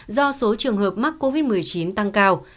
do số trường hợp mắc covid một mươi chín tăng cao